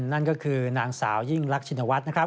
นั่นก็คือนางสาวยิ่งลักษณวัลนะครับ